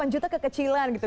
delapan juta kekecilan gitu